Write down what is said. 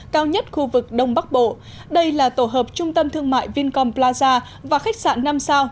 cao nhất khu vực đông bắc bộ đây là tổ hợp trung tâm thương mại vincom plaza và khách sạn năm sao